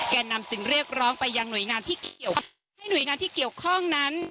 แกนนำจึงเรียกร้องไปยังหน่วยงานที่เกี่ยวข้องนั้น